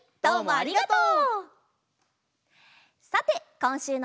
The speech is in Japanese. ありがとう！